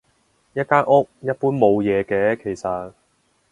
一間屋，一般冇嘢嘅其實